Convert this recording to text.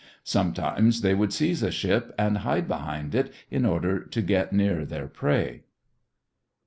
Sometimes they would seize a ship and hide behind it in order to get near their prey.